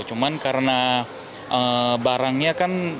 cuman karena barangnya kan